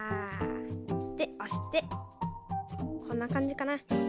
でおしてこんなかんじかな。